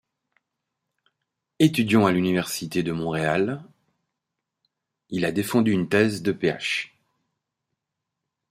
Étudiant à l'Université de Montréal, il a défendu une thèse de Ph.